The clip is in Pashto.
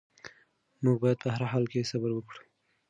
موږ باید په هر حال کې صبر وکړو.